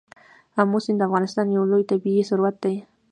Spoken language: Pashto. آمو سیند د افغانستان یو لوی طبعي ثروت دی.